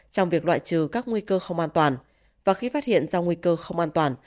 trong việc loại trừ các nguy cơ không an toàn và khi phát hiện ra nguy cơ không an toàn